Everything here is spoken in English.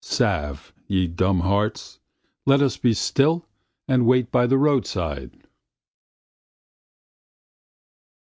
Salve! ye dumb hearts. Let us be still and wait by the roadside.